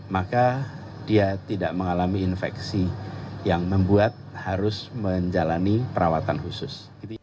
maka dia tidak mengalami infeksi yang membuat harus menjalani perawatan khusus